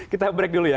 kita break dulu ya